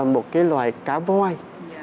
một cái loài cá voi